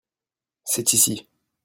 c'est ici.